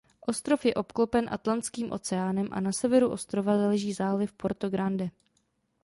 Ostrov je obklopen Atlantským oceánem a na severu ostrova leží záliv Porto Grande.